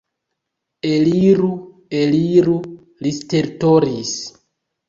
Eliru, eliru, li stertoris.